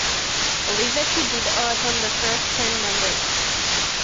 Olivetti did art on the first ten numbers.